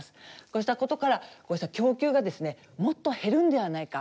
こうしたことからこうした供給がもっと減るんではないか。